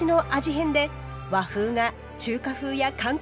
変で和風が中華風や韓国風に！